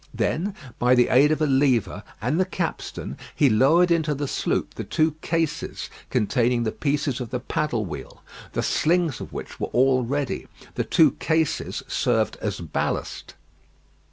Then by the aid of a lever and the capstan, he lowered into the sloop the two cases containing the pieces of the paddle wheel, the slings of which were all ready. The two cases served as ballast.